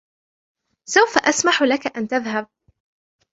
سوفَ أسمح لكَ أن تذهب.